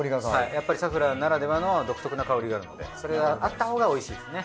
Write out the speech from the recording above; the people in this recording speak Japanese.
やっぱりサフランならではの独特な香りがあるのでそれがあったほうがおいしいですね。